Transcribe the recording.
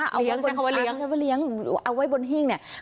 เลี้ยงใช่คำว่าเลี้ยงใช่ว่าเลี้ยงเอาไว้บนห้ิงเนี่ย